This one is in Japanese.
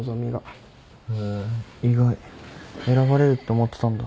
へぇ意外選ばれるって思ってたんだ。